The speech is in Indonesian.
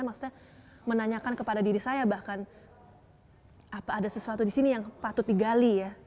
maksudnya menanyakan kepada diri saya bahkan apa ada sesuatu di sini yang patut digali ya